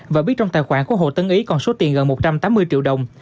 và biết trong tài khoản của hồ tân ý còn số tiền gần một trăm tám mươi triệu đồng